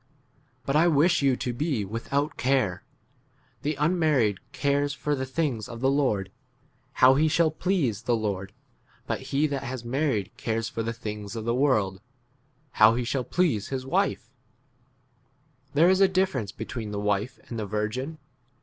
But I wish you to be without care. The unmarried cares for the things of the Lord, 33 how he shall please the Lord ; but he that has married cares for the things of the world, how he shall 34 please his v wife. There is a difference between the wife and the virgin.